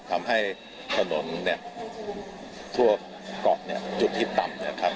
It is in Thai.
ทำให้ถนนทั่วกลอกจุดที่ต่ำ